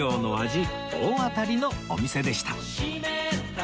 大当たりのお店でした